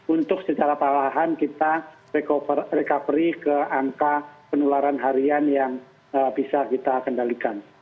untuk secara perlahan kita recovery ke angka penularan harian yang bisa kita kendalikan